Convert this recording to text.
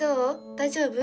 大丈夫？